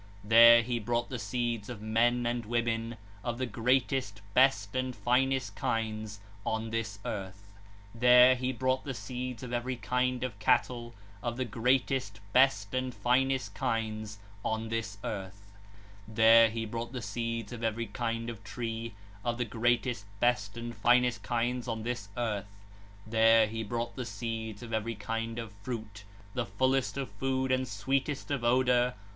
There he brought the seeds of men and women, of the greatest, best, and finest kinds on this earth; there he brought the seeds of every kind of cattle, of the greatest, best, and finest kinds on this earth. 36 (110). There he brought the seeds of every kind of tree, of the greatest, best, and finest kinds on this earth; there he brought the seeds of every kind of fruit, the fullest of food and sweetest of odour.